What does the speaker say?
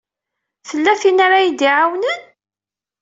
Tella tin ara yi-d-iɛawnen?